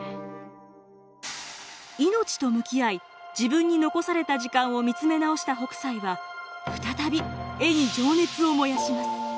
命と向き合い自分に残された時間を見つめ直した北斎は再び絵に情熱を燃やします。